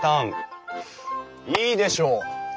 いいでしょう。